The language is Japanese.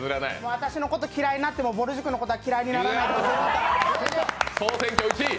私のことは嫌いになってもぼる塾のことは嫌いにならないでください。